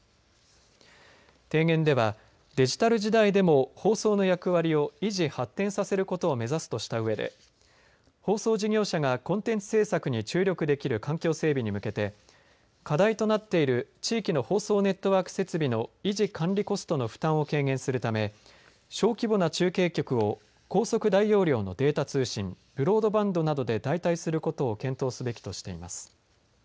提言ではデジタル時代でも放送の役割を維持・発展させることを目指すとしたうえで放送事業者がコンテンツ制作に注力できる環境整備に向けて課題となっている地域の放送ネットワーク設備の維持・管理コストの負担を軽減するため小規模な中継局を高速大容量のデータ通信ブロードバンドなどで代替することを検討すべきとしています。